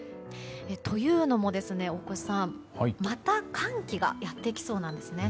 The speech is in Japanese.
というのも、大越さんまた寒気がやってきそうなんですね。